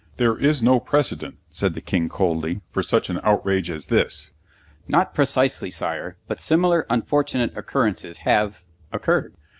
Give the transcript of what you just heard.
"There is no precedent," said the King coldly, "for such an outrage as this." "Not precisely, Sire; but similar unfortunate occurrences have occurred."